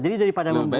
jadi daripada membuat